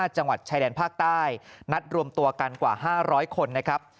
ชายแดนภาคใต้นัดรวมตัวกันกว่าห้าร้อยคนนะครับ